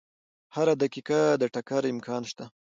هره دقیقه د ټکر امکان شته.